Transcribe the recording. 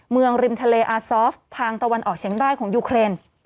เมืองริมทะเลอาร์ซอฟท์ทางตะวันออกเฉียงด้ายของยูเครน